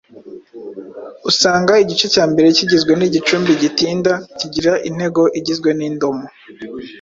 usanga igice cya mbere kigizwe n’igicumbi gitinda kigira intego igizwe n’indomo,